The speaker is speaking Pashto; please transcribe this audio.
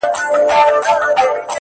په زلفو ورا مه كوه مړ به مي كړې,